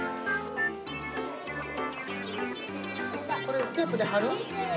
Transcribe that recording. これテープではる？